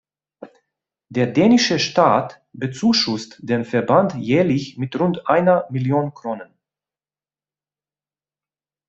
Der dänische Staat bezuschusst den Verband jährlich mit rund einer Million Kronen.